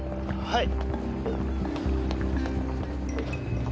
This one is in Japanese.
はい？